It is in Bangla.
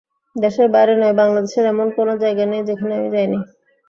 দেশের বাইরে নয়, বাংলাদেশের এমন কোনো জায়গা নেই, যেখানে আমি যাইনি।